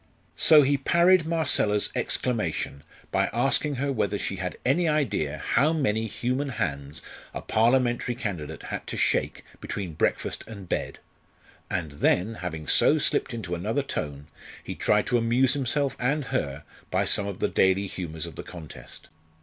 So he parried Marcella's exclamation by asking her whether she had any idea how many human hands a parliamentary candidate had to shake between breakfast and bed; and then, having so slipped into another tone, he tried to amuse himself and her by some of the daily humours of the contest.